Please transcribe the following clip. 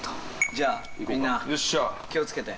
じゃあみんな、気を付けて。